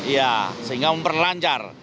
ya sehingga memperlancar